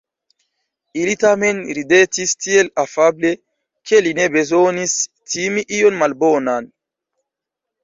Ili tamen ridetis tiel afable, ke li ne bezonis timi ion malbonan.